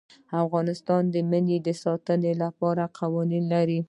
افغانستان د منی د ساتنې لپاره قوانین لري.